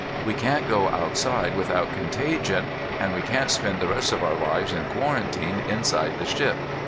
We can't go outside without contagion, and we can't spend the rest of our lives in quarantine inside the ship.